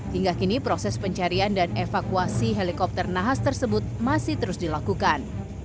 hingga kini proses pencarian dan evakuasi helikopter nahas tersebut masih terus dilakukan